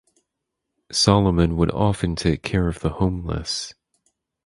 Salomon would often take care of the homeless.